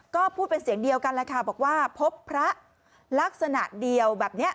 ก็พูดเป็นเสียงเดียวกันแหละค่ะบอกว่าพบพระลักษณะเดียวแบบนี้